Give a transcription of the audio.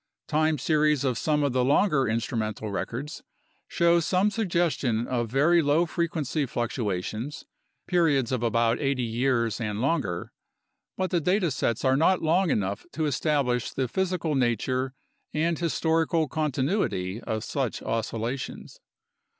Time series of some of the longer instrumental records show some suggestion of very low frequency fluctuations (periods of about 80 years and longer), but the data sets are not long enough to establish the physical nature and historical continuity of such oscillations.